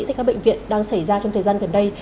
tại các bệnh viện đang xảy ra trong thời gian gần đây